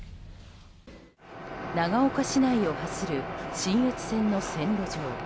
長岡市内を走る信越線の線路上。